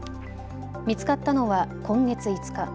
見つかったのは今月５日。